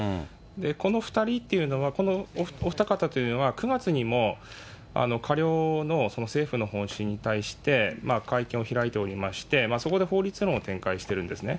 この２人っていうのが、このお二方というのは、９月にも過料の政府の方針に対して、会見を開いておりまして、そこで法律論を展開しているんですね。